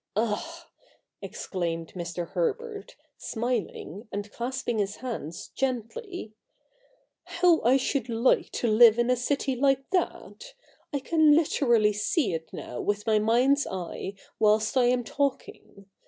Ah,' exclaimed Mr. Herbert, smiling, and clasping his hands gently, ' how I should like to live in a city like that ! I can literally see it now with my mind's eye, whilst I am talking.